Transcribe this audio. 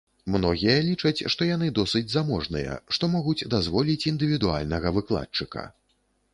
Многія лічаць, што яны досыць заможныя, што могуць дазволіць індывідуальнага выкладчыка.